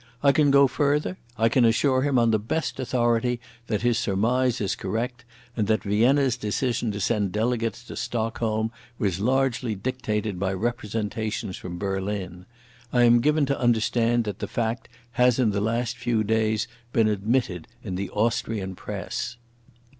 I can go further. I can assure him on the best authority that his surmise is correct, and that Vienna's decision to send delegates to Stockholm was largely dictated by representations from Berlin. I am given to understand that the fact has in the last few days been admitted in the Austrian Press."